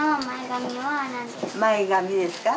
前髪ですか？